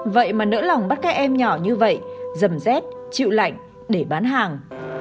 vậy mà nỡ lòng bắt các em nhỏ như vậy dầm rét chịu lạnh để bán hàng